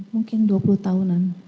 mungkin dua puluh tahunan